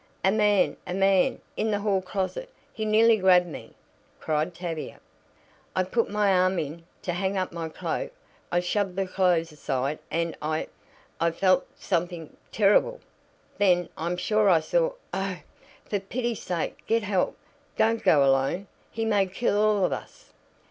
"A man a man in the hall closet he nearly grabbed me!" cried Tavia, "I put my arm in to hang up my cloak I shoved the clothes aside then I I felt something terrible. Then I'm sure I saw oh, for pity's sake get help don't go alone he may kill all of us!"